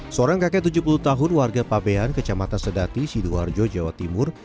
seorang kakek tujuh puluh tahun warga pabean kecamatan sedati sidoarjo jawa timur